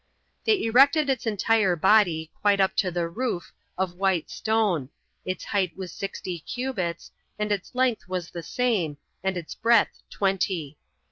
They erected its entire body, quite up to the roof, of white stone; its height was sixty cubits, and its length was the same, and its breadth twenty.